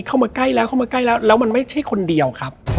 เข้ามาใกล้แล้วแล้วมันไม่ใช่คนเดียวครับ